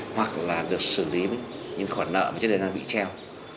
hoặc là được xử lý những khỏe nợ và chất đề năng bị treo